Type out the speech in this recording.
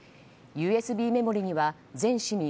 ＵＳＢメモリーには全市民